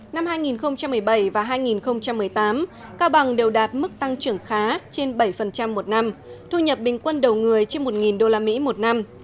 năm hai nghìn một mươi bảy và hai nghìn một mươi tám cao bằng đều đạt mức tăng trưởng khá trên bảy một năm thu nhập bình quân đầu người trên một usd một năm